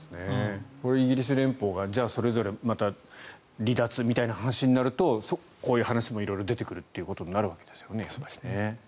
イギリス連邦がそれぞれ離脱みたいな話になるとこういう話も色々出てくるということになるわけですね。